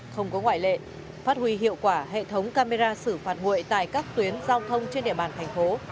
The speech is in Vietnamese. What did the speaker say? không có ngoại lệ phát huy hiệu quả hệ thống camera xử phạt nguội tại các tuyến giao thông trên địa bàn thành phố